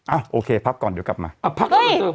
อ่ะโอเคพักก่อนเดี๋ยวกลับมาอ่ะพักก่อนเดี๋ยว